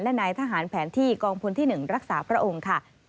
และนายทหารแผนที่กองพลที่๑รักษาพระองค์ค่ะ